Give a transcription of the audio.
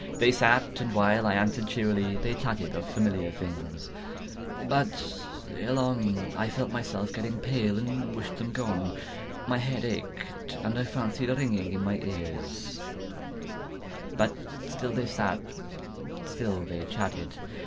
They sat, and while I answered cheerily, they chatted of familiar things. But, ere long, I felt myself getting pale and wished them gone. My head ached, and I fancied a ringing in my ears: but still they sat and still chatted.